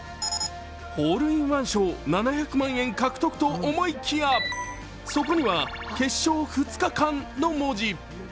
ホールインワン賞７００万円獲得かと思いきや、そこには決勝２日間の文字。